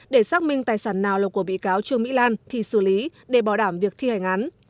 để xác minh tài sản nào là của bị cáo trương mỹ lan thì xử lý để bảo đảm việc thi hành án